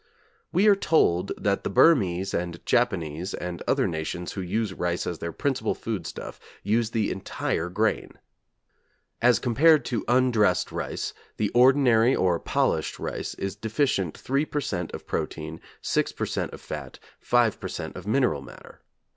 We are told that the Burmese and Japanese and other nations who use rice as their principal food stuff, use the entire grain. As compared to undressed rice, the ordinary, or polished rice is deficient 3 per cent. of protein; 6 per cent. of fat; 5 per cent. of mineral matter.